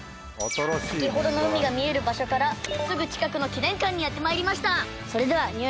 先ほどの海が見える場所からすぐ近くの記念館にやってまいりました。